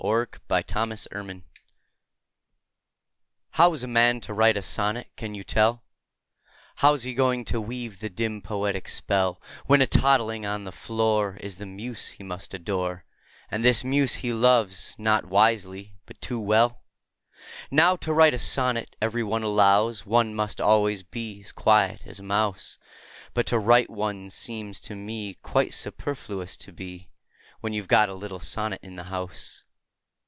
THE POET AND THE BABY How's a man to write a sonnet, can you tell, How's he going to weave the dim, poetic spell, When a toddling on the floor Is the muse he must adore, And this muse he loves, not wisely, but too well? Now, to write a sonnet, every one allows, One must always be as quiet as a mouse; But to write one seems to me Quite superfluous to be, When you 've got a little sonnet in the house.